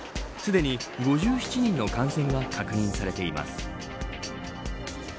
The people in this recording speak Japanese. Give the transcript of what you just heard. すでに５７人の感染が確認されています。